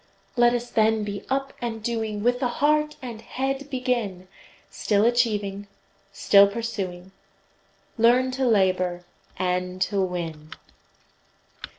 Let us then be up and doing, With the heart and head begin; Still achieving, still pursuing, Learn to labor, and to win!